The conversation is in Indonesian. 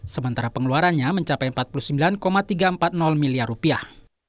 sementara pengeluarannya mencapai empat puluh sembilan tiga ratus empat puluh miliar rupiah